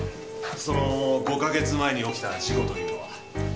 その５カ月前に起きた事故というのは。